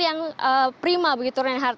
yang prima begitu reinhardt